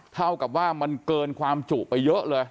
เท่ากับว่ามันเกินความจุไปเยอะเลย